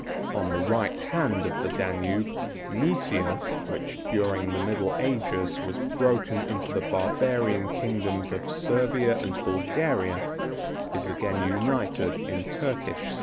On the right hand of the Danube, Mæsia, which, during the middle ages, was broken into the barbarian kingdoms of Servia and Bulgaria, is again united in Turkish slavery.